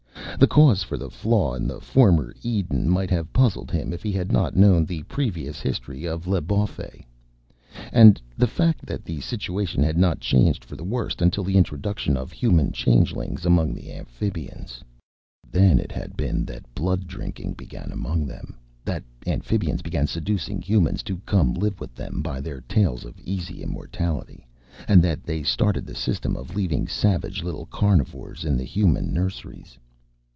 The cause for the flaw in the former Eden might have puzzled him if he had not known the previous history of L'Bawfey and the fact that the situation had not changed for the worst until the introduction of Human Changelings among the Amphibians. Then it had been that blood drinking began among them, that Amphibians began seducing Humans to come live with them by their tales of easy immortality, and that they started the system of leaving savage little carnivores in the Human nurseries.